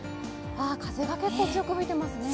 風が結構強く吹いていますね。